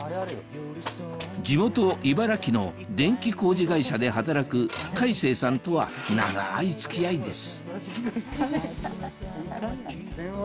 地元茨城の電気工事会社で働く海星さんとは長い付き合いです